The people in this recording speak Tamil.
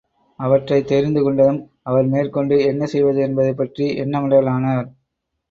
அவற்றைத் தெரிந்துகொண்டதும் அவர் மேற்கொண்டு என்ன செய்வது என்பதைப்பற்றி எண்ணமிடலானார்.